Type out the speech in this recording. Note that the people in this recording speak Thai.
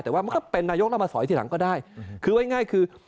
แต่ว่ามันก็เป็นนายกแล้วมาสอยทีหลังก็ได้คือไว้ง่ายคือ